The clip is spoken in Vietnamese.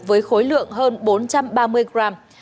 với khối lượng hơn bốn trăm ba mươi gram